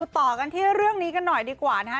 ต่อกันที่เรื่องนี้กันหน่อยดีกว่านะฮะ